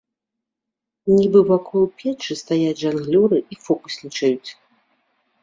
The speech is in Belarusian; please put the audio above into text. Нібы вакол печы стаяць жанглёры і фокуснічаюць.